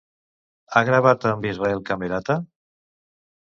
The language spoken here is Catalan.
Ha gravat amb Israel Camerata?